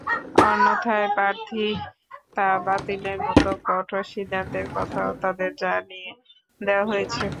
অন্যথায় প্রার্থিতা বাতিলের মতো কঠোর সিদ্ধান্তের কথাও তাঁদের জানিয়ে দেওয়া হয়েছে।